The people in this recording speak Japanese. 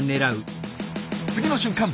次の瞬間！